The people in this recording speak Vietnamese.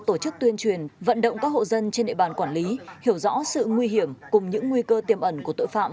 tổ chức tuyên truyền vận động các hộ dân trên địa bàn quản lý hiểu rõ sự nguy hiểm cùng những nguy cơ tiềm ẩn của tội phạm